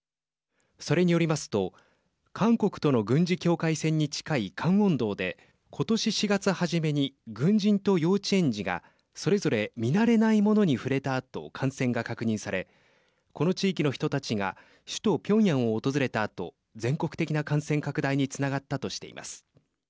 それによりますと韓国との軍事境界線に近いカンウォン道でことし４月初めに軍人と幼稚園児がそれぞれ見慣れないものに触れたあと、感染が確認されこの地域の人たちが首都ピョンヤンを訪れたあと全国的な感染拡大につながったとしています。